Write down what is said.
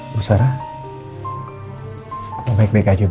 bu sarah mau baik baik aja bu